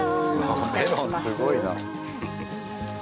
メロンすごいな。